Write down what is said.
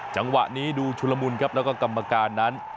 จังหวะนี้ดูชุลมุนครับแล้วก็กรรมการนั้น